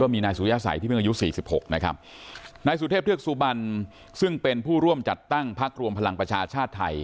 มีนายสุริยสัยที่เพิ่งอายุ๔๖นะครับนายสุเทพเทือกสุบันซึ่งเป็นผู้ร่วมจัดตั้งพักรวมพลังประชาชาติไทย